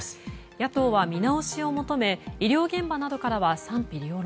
野党は見直しを求め医療現場などからは賛否両論。